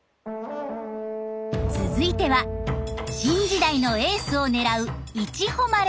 続いては新時代のエースを狙ういちほまれ。